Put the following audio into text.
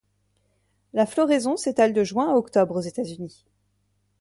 La floraison s'étale de juin à octobre aux États-Unis.